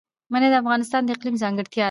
منی د افغانستان د اقلیم ځانګړتیا ده.